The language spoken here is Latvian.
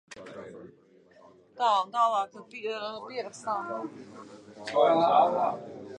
Man vajadzēja priecāties par savu atbrīvošanu, bet nomāca sirdsapziņa, kamdēļ mēs gājām uz Sabili?